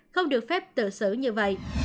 không được phép tự xử như vậy